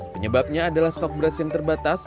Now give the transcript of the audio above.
penyebabnya adalah stok beras yang terbatas